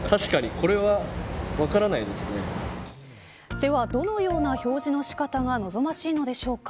では、どのような表示の仕方が望ましいのでしょうか。